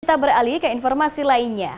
kita beralih ke informasi lainnya